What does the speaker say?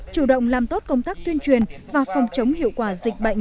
chủ động làm tốt công tác tuyên truyền và phòng chống hiệu quả dịch bệnh